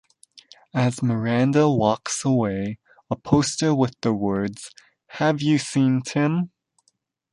As Miranda walks away, a poster with the words Have you seen Tim?